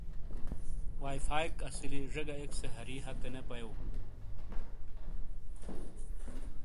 وائی فائیک اسیلی زے گہ ایک سے ہری ہتے نے پایوں۔